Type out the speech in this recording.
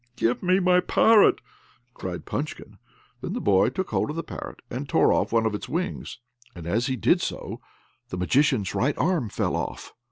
"Give me my parrot!" cried Punchkin. Then the boy took hold of the parrot, and tore off one of its wings; and as he did so the Magician's right arm fell off.